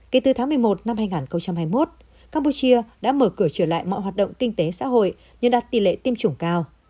kể từ tháng một mươi một năm hai nghìn hai mươi một campuchia đã mở cửa trở lại mọi hoạt động kinh tế xã hội nhưng đạt tỷ lệ tiêm chủng cao